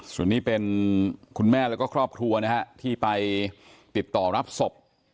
ส่วนนี้เป็นคุณแม่แล้วก็ครอบครัวนะฮะที่ไปติดต่อรับศพ